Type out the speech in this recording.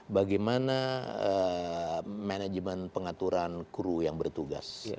bagaimana manajemen pengaturan kru yang bertugas